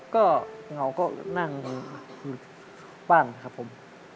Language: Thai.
ก็เหงาก็นั่งอยู่บ้างครับผม